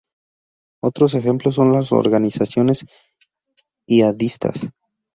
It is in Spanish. Otros ejemplos son las organizaciones yihadistas.